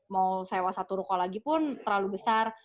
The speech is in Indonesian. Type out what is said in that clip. mau sewa satu ruko lagi pun terlalu besar